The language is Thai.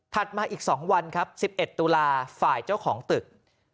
ถัดมาอีก๒วัน๑๑ตุลาฯฝ่ายเจ้าของตึก